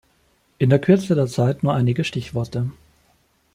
In der Kürze der Zeit nur einige Stichworte.